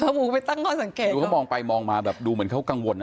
คุณผู้ไปตั้งนอนสังเกตเดี๋ยวเขามองไปมองมาแบบดูเหมือนเขากังวลอะไร